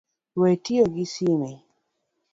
We tiyo gi sime